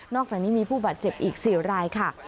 อกจากนี้มีผู้บาดเจ็บอีก๔รายค่ะ